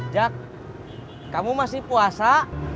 jak kamu masih puasa